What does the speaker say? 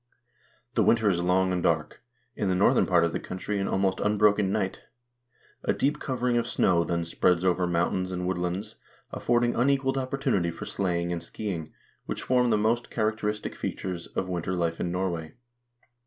The winter is long and dark; in the northern part of the country an almost unbroken night. A deep covering of snow then spreads over mountains and woodlands, affording unequaled opportunity for sleighing and skiing, which form the most characteristic features of winter life in Norway.